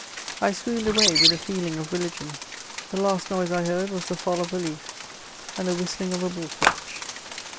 I swooned away with a feeling of religion ; the last noise I heard was the &I1 of a leaf and the whistling of a bullfinch.